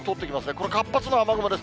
これ、活発な雨雲です。